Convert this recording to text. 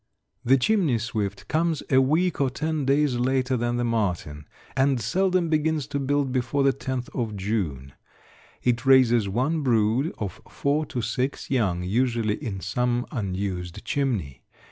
The chimney swift comes a week or ten days later than the martin, and seldom begins to build before the 10th of June. It raises one brood of four to six young, usually in some unused chimney.